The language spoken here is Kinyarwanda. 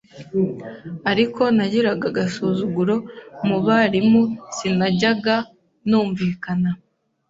ariko nagiraga agasuzuguro mu barimu sinajyaga numvikana